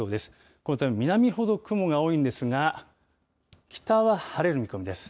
このため南ほど雲が多いんですが、北は晴れる見込みです。